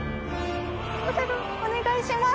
お願いします！